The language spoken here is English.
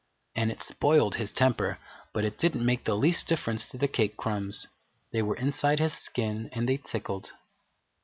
And it spoiled his temper, but it didn't make the least difference to the cake crumbs. They were inside his skin and they tickled.